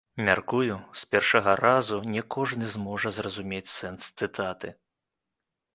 Мяркую, з першага разу не кожны зможа зразумець сэнс цытаты.